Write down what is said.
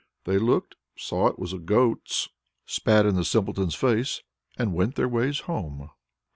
They looked, saw it was a goat's, spat in the Simpleton's face, and went their ways home.